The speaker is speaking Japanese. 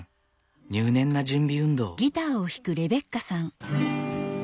入念な準備運動。